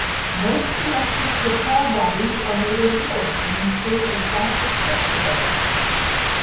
Most electric guitar bodies are made of wood and include a plastic pick guard.